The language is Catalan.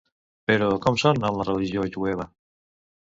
Però, com són en la religió jueva?